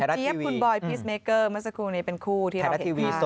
มีคุณเจี๊ยบคุณบอยพีชเมกเกอร์เมื่อสักครู่นี้เป็นคู่ที่เราเห็นมากคุณไทยรัฐทีวี